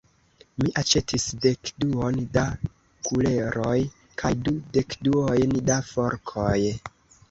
Mi aĉetis dekduon da kuleroj kaj du dekduojn da forkoj.